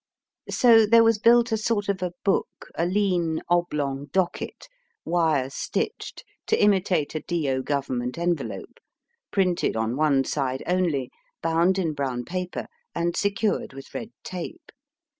So there was built a sort of a book, a lean oblong docket, wire stitched, to imitate a D.O. Government envelope, printed on one side only, bound in brown paper, and secured with red tape.